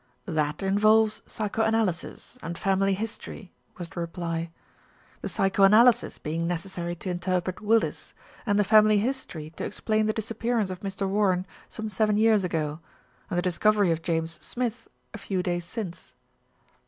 "That involves psycho analysis and family history," was the reply ; "The psycho analysis being necessary to interpret Willis, and the family history to explain the disappearance of Mr. Warren some seven years ago, and the discovery of James Smith a few days since."